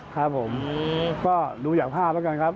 ครับผมก็ดูจากภาพแล้วกันครับ